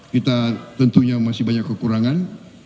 kita tentunya masih banyak kekurangan